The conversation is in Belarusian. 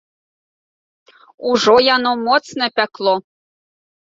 Ужо яно моцна пякло.